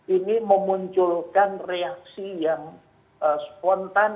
ini memunculkan reaksi yang spontan